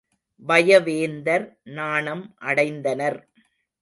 வயவேந்தர் நாணம் அடைந்தனர்.